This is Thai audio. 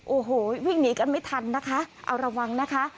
โอ้โหวิ่งหนีกันไม่ทันนะคะเอาระวังนะคะ